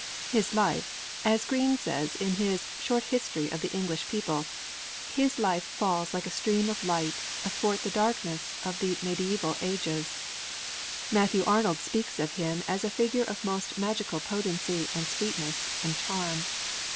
His life, as Green says in his Short History of the English People, his life falls like a stream of light athwart the darkness of the mediæval ages. Matthew Arnold speaks of him as a figure of most magical potency and sweetness and charm.